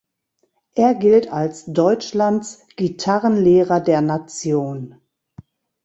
Er gilt als Deutschlands „Gitarrenlehrer der Nation“.